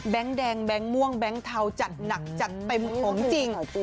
แดงแบงค์ม่วงแบงค์เทาจัดหนักจัดเต็มของจริง